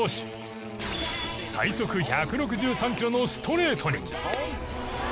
最速１６３キロのストレートに。